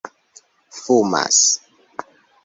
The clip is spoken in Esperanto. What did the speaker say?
fumas